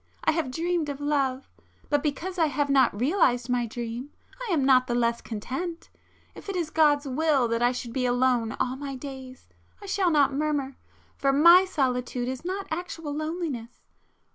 I have dreamed of love,—but because I have not realized my dream I am not the less content. If it is God's will that I should be alone all my days, I shall not murmur, for my solitude is not actual loneliness.